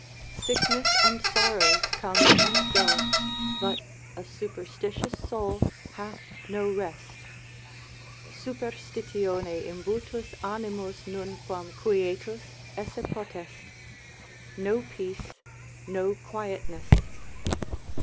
Sickness and sorrows come and go, but a superstitious soul hath no rest; superstitione imbutus animus nunquam quietus esse potest, no peace, no quietness.